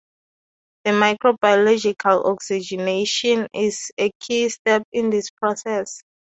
The microbiological oxygenation is a key step in this process.